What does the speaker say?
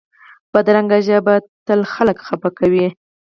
بدرنګه ژبه تل خلک خفه کوي